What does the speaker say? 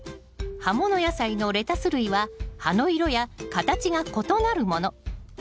葉物野菜のレタス類は葉の色や形が異なるもの。